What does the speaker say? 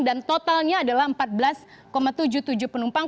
dan totalnya adalah empat belas tujuh puluh tujuh penumpang